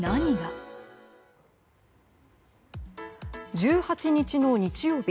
１８日の日曜日